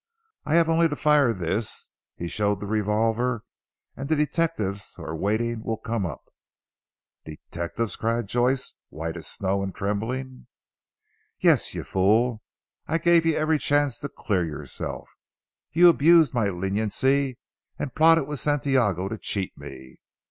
I have only to fire this," he showed the revolver "and the detectives who are waiting will come up." "Detectives!" cried Joyce white as snow and trembling. "Yes, you fool. I gave you every chance to clear yourself. You abused my leniency, and plotted with Santiago to cheat me.